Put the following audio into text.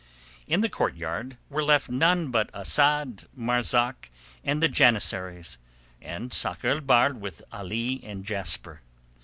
In the courtyard were left none but Asad, Marzak and the janissaries, and Sakr el Bahr with Ali and Jasper.